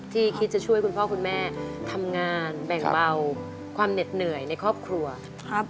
คิดจะช่วยคุณพ่อคุณแม่ทำงานแบ่งเบาความเหน็ดเหนื่อยในครอบครัวครับ